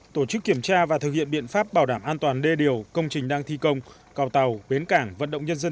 tổ chức kiểm tra và thực hiện biện pháp bảo đảm an toàn đê điều công trình đang thi công cào tàu bến cảng vận động nhân dân